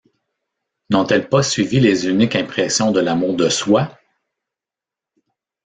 N'ont-elles pas suivi les uniques impressions de l'amour de soi?